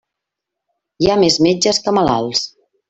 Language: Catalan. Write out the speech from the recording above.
Hi ha més metges que malalts.